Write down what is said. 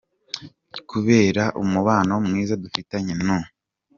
Kubera umubano mwiza dufitanye n’u